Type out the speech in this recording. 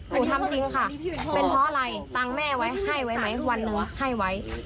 หนูทำจริงค่ะเป็นเพราะอะไรตังค์แม่ไว้ให้ไว้ไหมวันหนึ่งให้ไว้